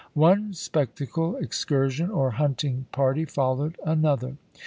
One spectacle, excursion, or hunting party followed another.